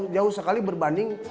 jauh sekali berbanding